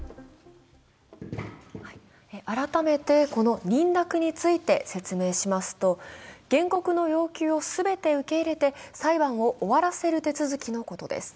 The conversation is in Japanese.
改めて、この認諾について、説明しますと、原告の要求を全て受け入れて裁判を終わらせる手続きのことです。